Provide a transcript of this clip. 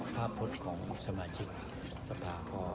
ภาพพลทของสมาชิกสภาพพ่อ